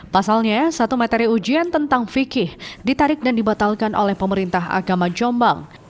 pasalnya satu materi ujian tentang fikih ditarik dan dibatalkan oleh pemerintah agama jombang